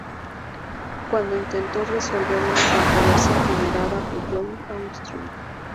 Cuando intentó resolver una controversia generada por John Armstrong Jr.